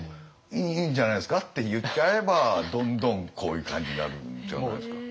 「いいんじゃないですか」って言っちゃえばどんどんこういう感じになるんじゃないですか。